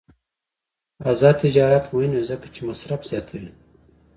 آزاد تجارت مهم دی ځکه چې مصرف زیاتوي.